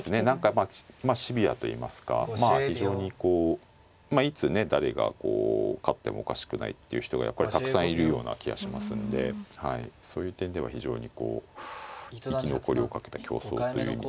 まあシビアといいますかまあ非常にこうまあいつね誰が勝ってもおかしくないっていう人がやっぱりたくさんいるような気がしますんでそういう点では非常にこう生き残りをかけた競争という意味も。